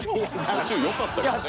途中よかったけどね。